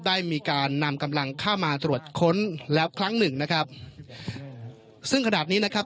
ได้มีการนำกำลังเข้ามาตรวจค้นแล้วครั้งหนึ่งนะครับซึ่งขนาดนี้นะครับ